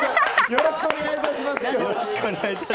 よろしくお願いします。